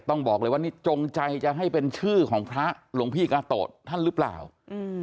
ต้องบอกเลยว่านี่จงใจจะให้เป็นชื่อของพระหลวงพี่กาโตะท่านหรือเปล่าอืม